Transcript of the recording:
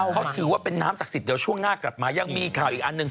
เขาถือว่าเป็นน้ำศักดิ์สิทธิ์เดี๋ยวช่วงหน้ากลับมายังมีข่าวอีกอันหนึ่ง